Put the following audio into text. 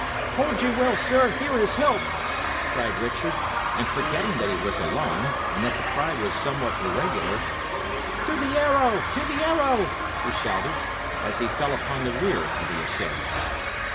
"Hold ye well, sir! Here is help!" cried Richard; and forgetting that he was alone, and that the cry was somewhat irregular, "To the Arrow! to the Arrow!" he shouted, as he fell upon the rear of the assailants.